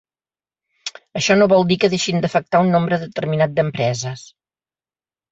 Això no vol dir que deixin d’afectar un nombre determinat d’empreses.